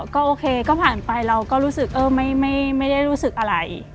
ก็โอเคก็ผ่านไปเราก็รู้สึกไม่ได้รู้สึกอะไร